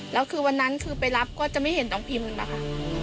แล้วคือวันนั้นคือไปรับก็จะไม่เห็นน้องพิมนะคะ